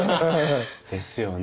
ですよね。